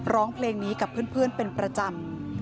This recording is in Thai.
ร้องเพลงนี้กับเพื่อนเป็นประจำ